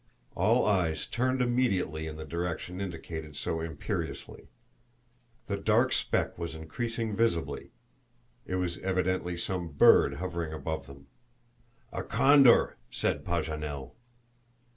All eyes turned immediately in the direction indicated so imperiously. The dark speck was increasing visibly. It was evidently some bird hovering above them. "A condor," said Paganel.